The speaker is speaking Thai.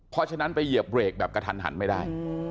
เพราะฉะนั้นไปเหยียบเบรกแบบกระทันหันไม่ได้